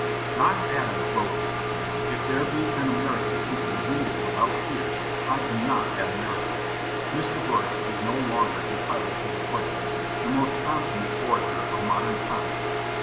John Adams wrote him, "If there be an American who can read it without tears, I am not that American.... Mr. Burke is no longer entitled to the praise the most consummate orator of modern times....